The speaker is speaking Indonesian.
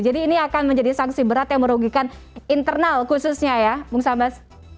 jadi ini akan menjadi sanksi berat yang merugikan internal khususnya ya bung sambas